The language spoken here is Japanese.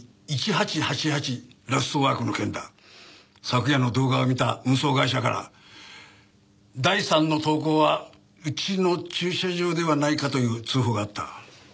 昨夜の動画を見た運送会社から第３の投稿はうちの駐車場ではないかという通報があった。